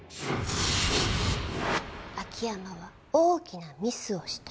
秋山は大きなミスをした。